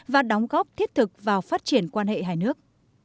và đóng góp thiết thực vào phát triển quan hệ hai nước